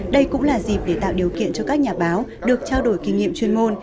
đây cũng là dịp để tạo điều kiện cho các nhà báo được trao đổi kinh nghiệm chuyên môn